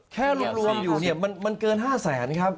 แค่รวมอยู่เนี่ยมันเกิน๕แสนครับ